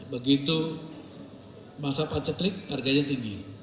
begitu masa paceklik harganya tinggi